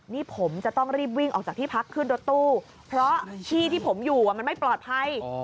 นี่ผมจะต้องรีบวิ่งออกจากที่พักขึ้นรถตู้เพราะที่ที่ผมอยู่มันไม่ปลอดภัย